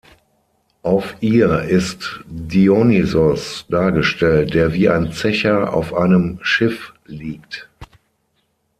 Auf ihr ist Dionysos dargestellt, der wie ein Zecher auf einem Schiff liegt.